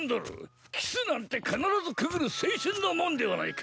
キスなんて必ずくぐる青春の門ではないか。